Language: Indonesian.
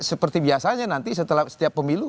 seperti biasanya nanti setiap pemilu